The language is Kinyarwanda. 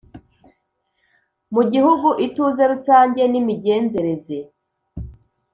Mu gihugu ituze rusange n, imigenzereze